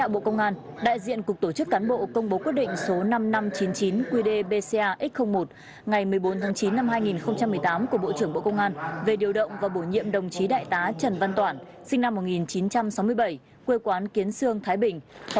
bộ công an tổ chức lễ công bố quyết định